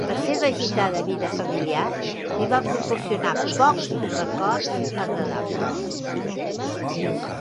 La seva agitada vida familiar li va proporcionar pocs records agradables.